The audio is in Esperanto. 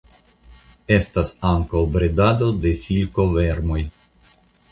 Estas ankaŭ bredado de silkovermoj.